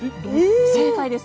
正解です。